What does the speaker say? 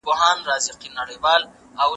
د ذمي حقوق باید تر پښو لاندې نه سي.